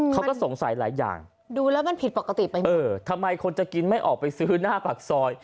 เขาก็สงสัยหลายอย่างดูแล้วมันผิดปกติไปมากเออทำไมคนจะกินไม่ออกไปซื้อหน้าปากซอย